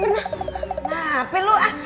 nah apa lu ah